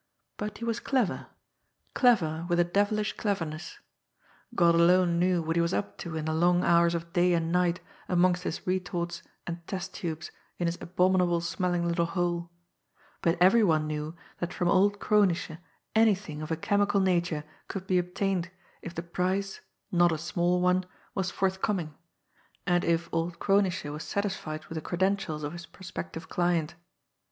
But he was clever clever with a devilish cleverness. God alone knew what he was up to in the long hours of day and night amongst his retorts and test tubes in his abominable smelling little hole; but every one knew that from old Kronische anything of a chemical nature could be obtained if the price, not a small one, was forthcoming, and if old Kronische was satisfied with the credentials of his prospective client.